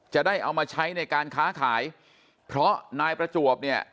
จะได้เอามาใช้ในการค้าขายเพราะนายประจวบเนี่ย